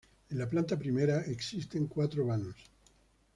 En la planta primera existen cuatro vanos.